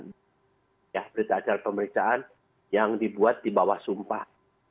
berita acara pemeriksaan yang dibuat di bawah sumpah